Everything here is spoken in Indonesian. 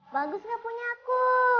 bagus gak punya aku